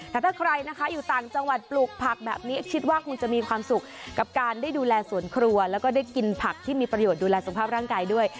แต่ถ้าใครนะคะอยู่ต่างจังหวัดปลูกผักแบบนี้คิดว่าคงจะมีความสุขกับการได้ดูแลสวนครัวแล้วก็ได้กินผักที่มีประโยชน์ดูแลสุขภาพร่างกายด้วย